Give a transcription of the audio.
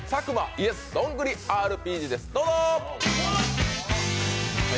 ＹｅｓどんぐりＲＰＧです。